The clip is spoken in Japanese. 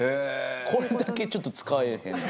これだけちょっと使えへんな。